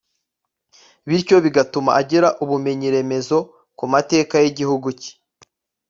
bityo bigatuma agira ubumenyiremezo ku mateka y'igihugu cye,